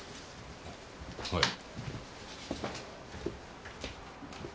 はい。